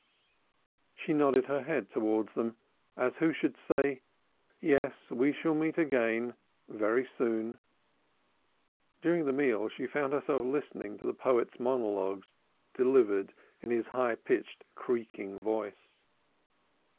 She nodded her head towards them, as who should say "Yes, we shall meet again very soon." During the meal she found herself listening to the poet's monologues delivered in his high pitched creaking voice.